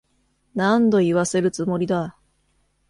何度言わせるつもりだ。